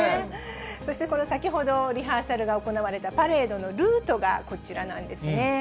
そして、この先ほどリハーサルが行われたパレードのルートがこちらなんですね。